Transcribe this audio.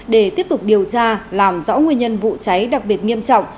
để tiếp tục điều tra làm rõ nguyên nhân vụ cháy đặc biệt nghiêm trọng